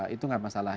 itu gak masalah